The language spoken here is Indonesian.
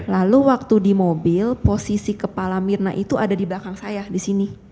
lalu waktu di mobil posisi kepala mirna itu ada di belakang saya di sini